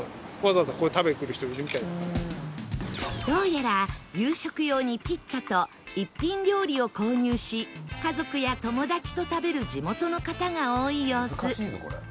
どうやら夕食用にピッツァと一品料理を購入し家族や友達と食べる地元の方が多い様子